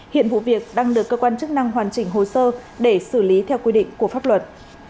hiện vụ việc đang được cơ quan chức năng hoàn chỉnh hồ sơ để xử lý theo quy định của pháp luật